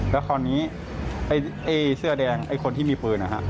แล้วคราวนี้ไอ้เสื้อแดงไอ้คนที่มีปืนนะครับ